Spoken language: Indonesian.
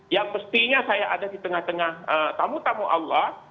yang mestinya saya ada di tengah tengah tamu tamu allah